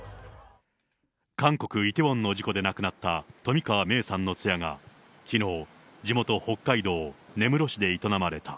韓国・イテウォンの事故で亡くなった冨川芽生さんの通夜が、きのう、地元、北海道根室市で営まれた。